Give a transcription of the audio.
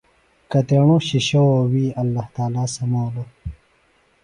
کتیݨوۡ شِشوووِی اللہ تعالیٰ سمولوۡ۔